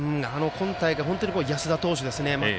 今大会、安田投手ですね。